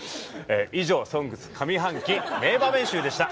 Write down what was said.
以上「ＳＯＮＧＳ」上半期名場面集でした。